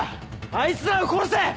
あいつらを殺せ！